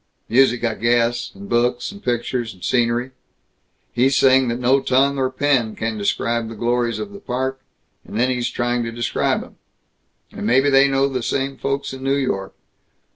Music, I guess, and books and pictures and scenery. He's saying that no tongue or pen can describe the glories of the Park, and then he's trying to describe 'em. And maybe they know the same folks in New York.